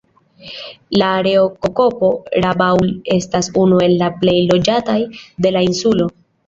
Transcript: La areo Kokopo-Rabaul estas unu el la plej loĝataj de la insulo.